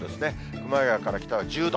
熊谷から北は１０度。